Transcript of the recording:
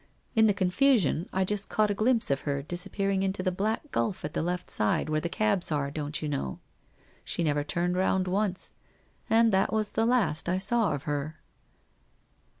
In the confusion, I just caught a glimpse of her disappearing into the black gulf at the left side, where the cabs are, don't you know ? She never turned round once. And that was the last I saw of her!'